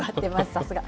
さすが。